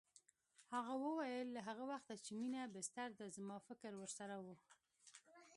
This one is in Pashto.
هغه وویل له هغه وخته چې مينه بستر ده زما فکر ورسره و